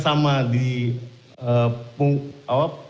kalau diganti itu apakah menghasilkan penutup